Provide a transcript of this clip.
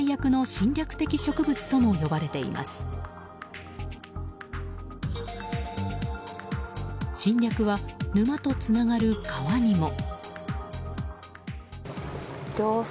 侵略は沼とつながる川にも。